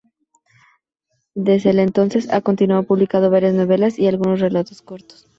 Des el entonces, ha continuado publicando varias novelas, y algunos relatos cortos.